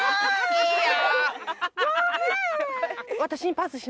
いいよ。